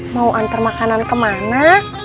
mau antar makanan kemana